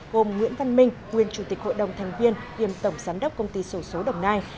gồm nguyễn văn minh nguyên chủ tịch hội đồng thành viên điểm tổng giám đốc công ty sổ số đồng nai